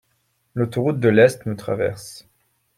L’autoroute de l’Est nous traverse.